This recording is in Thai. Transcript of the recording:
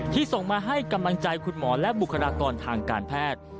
ส่งมาให้กำลังใจคุณหมอและบุคลากรทางการแพทย์